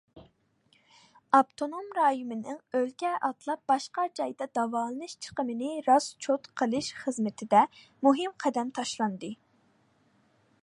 ئاپتونوم رايونىمىزنىڭ ئۆلكە ئاتلاپ باشقا جايدا داۋالىنىش چىقىمىنى راسچوت قىلىش خىزمىتىدە مۇھىم قەدەم تاشلاندى.